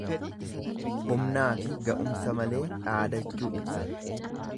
Humnaafi ga'umsa malee dhaadachuu ibsa.